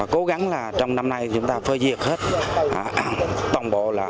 cố gắng trong năm nay chúng ta phê duyệt hết tổng bộ